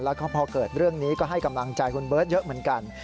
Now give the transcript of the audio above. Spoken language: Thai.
แล้วก็พอเกิดเรื่องนี้ก็ให้กำลังใจคุณเบิร์ตเยอะเหมือนกัน